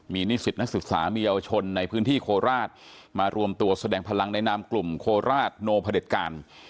มีนิสิตนักศึกษามีเยาวชนในพื้นที่โคราชมารวมตัวแสดงพลังในนามกลุ่มโคราชโนพระเด็จการ